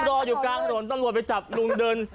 ตามรถไปจับเร่วนเดิน